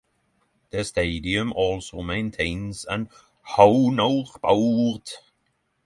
The stadium also maintains an honor board.